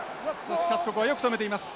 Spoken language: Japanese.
しかしここはよく止めています。